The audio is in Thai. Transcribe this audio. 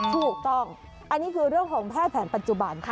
ถูกต้องอันนี้คือเรื่องของแพทย์แผนปัจจุบันค่ะ